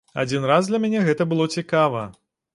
Адзін раз для мяне гэта было цікава.